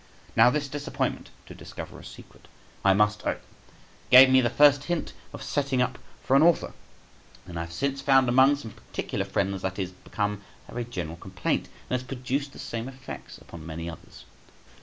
Now this disappointment (to discover a secret), I must own, gave me the first hint of setting up for an author, and I have since found among some particular friends that it is become a very general complaint, and has produced the same effects upon many others.